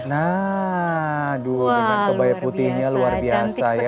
nah aduh dengan kebaya putihnya luar biasa ya